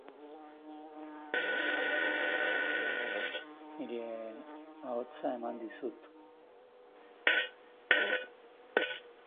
Zer erants diezaioke produktore batek musika proiektu bati?